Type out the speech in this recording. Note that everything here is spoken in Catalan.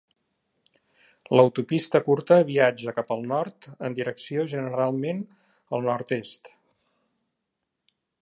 L'autopista curta viatja cap al nord en direcció generalment al nord-est.